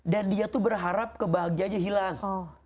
dan dia tuh berharap kebahagiaannya hilang